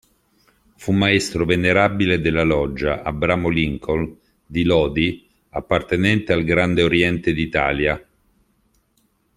Fu Maestro venerabile della Loggia "Abramo Lincoln" di Lodi, appartenente al Grande Oriente d'Italia.